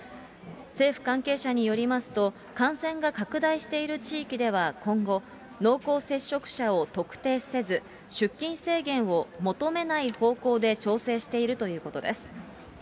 政府関係者によりますと、感染が拡大している地域では今後、濃厚接触者を特定せず、出勤制限を求めない方向で調整しているということです。